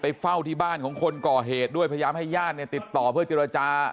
เฝ้าที่บ้านของคนก่อเหตุด้วยพยายามให้ญาติเนี่ยติดต่อเพื่อเจรจา